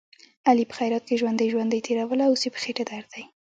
علي په خیرات کې ژوندۍ ژوندۍ تېروله، اوس یې په خېټه درد دی.